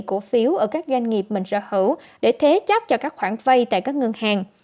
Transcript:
cổ phiếu ở các doanh nghiệp mình sở hữu để thế chấp cho các khoản vay tại các ngân hàng